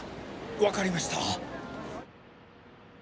わかりました。